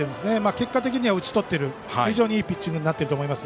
結果的には打ち取っている非常にいいピッチングになっていると思います。